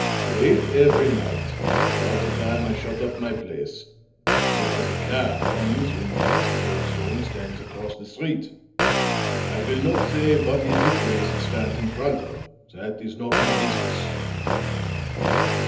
Late every night, about the time I shut up my place, there is a cab comes und by the curbstone stands across the street. I will not say what is der place it stands in front of; that is not my business."